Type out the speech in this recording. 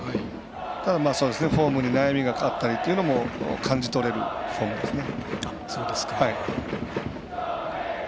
ただ、フォームに悩みがあったりというのも感じ取れるフォームですね。